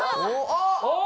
あっ！